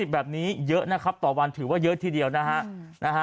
แบบนี้เยอะนะครับต่อวันถือว่าเยอะทีเดียวนะฮะ